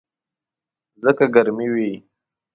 ځکه ګرمي وي.